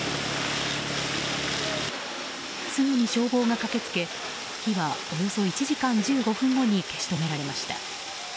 すぐに消防が駆け付け火はおよそ１時間１５分後に消し止められました。